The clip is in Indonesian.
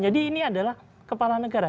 jadi ini adalah kepala negara